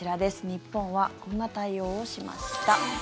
日本はこんな対応をしました。